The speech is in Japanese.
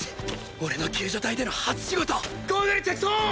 俺の救助隊での初仕事ゴーグル着装。